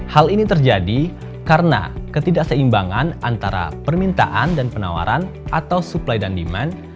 hal ini terjadi karena ketidakseimbangan antara permintaan dan penawaran atau supply dan demand